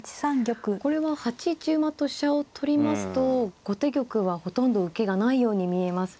これは８一馬と飛車を取りますと後手玉はほとんど受けがないように見えます。